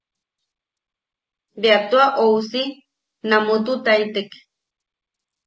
Bea tua ousi namututaitek.